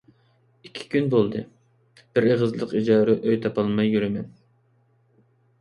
ئىككى كۈن بولدى، بىر ئېغىزلىق ئىجارە ئۆي تاپالماي يۈرىمەن.